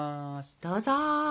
どうぞ。